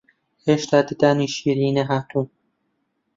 هێشتا ددانی شیری نەهاتوون